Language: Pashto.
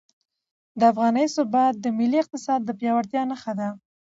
د افغانۍ ثبات د ملي اقتصاد د پیاوړتیا نښه ده.